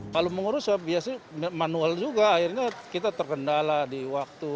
kalau mengurus ya biasanya manual juga akhirnya kita terkendala di waktu